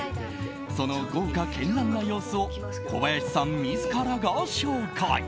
その豪華絢爛な様子を小林さん自らが紹介。